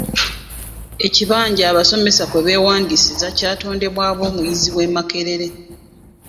Ekibanja abasomsesa kwe beewandiisiza kyatondeddwawo omuyizi w'e Makerere.